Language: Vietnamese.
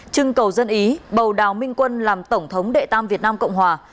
trưng cầu dân ý bầu đào minh quân làm tổng thống đệ tam việt nam cộng hòa